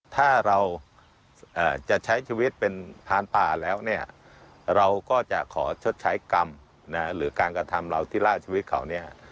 ถ้าเราจะใช้ชีวิตเป็นพานป่าแล้วเนี่ยเราก็จะขอชดใช้กรรมหรือการกระทำเราที่ล่าชีวิตเขาเนี่ย